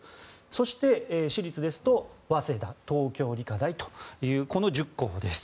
そして私立ですと早稲田、東京理科大という１０校です。